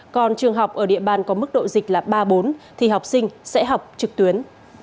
còn trường học ở địa bàn có mức độ dịch là ba bốn thì học sinh sẽ học trực tuyến